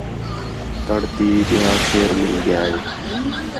تَڑ تی ٻِیا شیر مِل ڳِیا ہِے